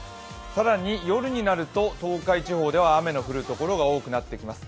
更に夜になる東海地方では雨の降るところが多くなってきます。